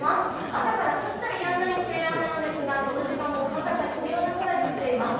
朝から降ったりやんだりしている雨なんですが、この時間も傘が必要なくらい降っています。